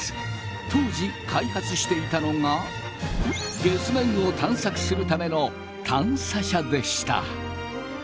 当時開発していたのが月面を探索するための探査車でした。